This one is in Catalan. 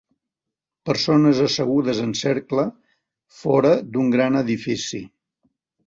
Persones assegudes en cercle fora d'un gran edifici.